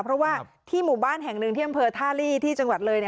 เพราะว่าที่หมู่บ้านแห่งหนึ่งที่อำเภอท่าลีที่จังหวัดเลย